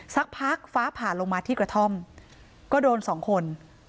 สักพักฟ้าผ่าลงมาที่กระท่อมก็โดนสองคน